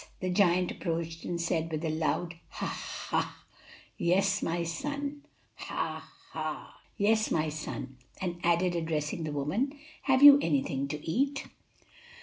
The giant approached and said, with a loud ha I ha! "Yes, my son"; and added, addressing the woman, "Have you anything to eat?"